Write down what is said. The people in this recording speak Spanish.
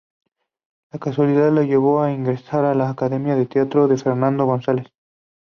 La casualidad le llevó a ingresar a la Academia de Teatro de Fernando González.